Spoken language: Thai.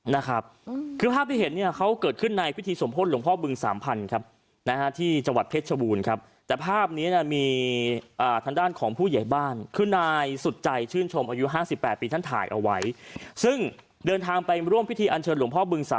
นะครับคือภาพที่เห็นเนี่ยเขาเกิดขึ้นในพิธีสมพลหลวงพ่อบึงสามพันธุ์ครับ